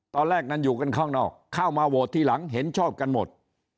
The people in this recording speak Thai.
ตอนแรกนั้นอยู่กันข้างนอกเข้ามาโหวตทีหลังเห็นชอบกันหมด